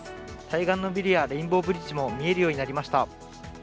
対岸のビルやレインボーブリッジも見えるようになりました。